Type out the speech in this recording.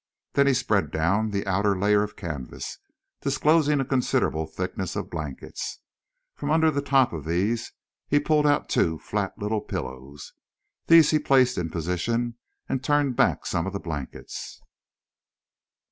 Then he spread down the outer layer of canvas, disclosing a considerable thickness of blankets. From under the top of these he pulled out two flat little pillows. These he placed in position, and turned back some of the blankets.